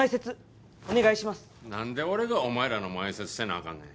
なんで俺がお前らの前説せなあかんねん？